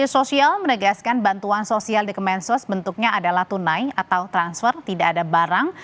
media sosial menegaskan bantuan sosial di kemensos bentuknya adalah tunai atau transfer tidak ada barang